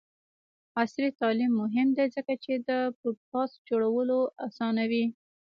عصري تعلیم مهم دی ځکه چې د پوډکاسټ جوړولو اسانوي.